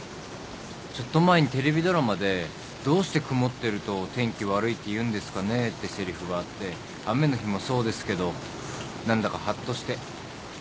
ちょっと前にテレビドラマで「どうして曇ってると天気悪いっていうんですかね」ってせりふがあって雨の日もそうですけど何だかハッとして。